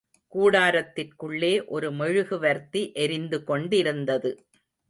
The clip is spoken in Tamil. கூடாரத்திற்குள்ளே ஒரு மெழுகுவர்த்தி எரிந்து கொண்டிருந்தது.